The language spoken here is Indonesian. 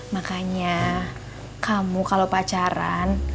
makanya kamu kalau pacaran